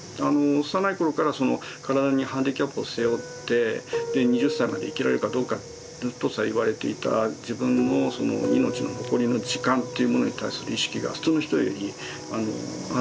幼い頃からその体にハンディキャップを背負って２０歳まで生きられるかどうかとさえ言われていた自分のその命の残りの時間というものに対する意識が普通の人よりあったでしょうし。